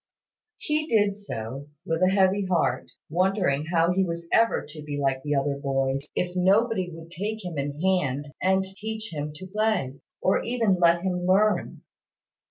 He did so, with a heavy heart, wondering how he was ever to be like the other boys, if nobody would take him in hand, and teach him to play, or even let him learn.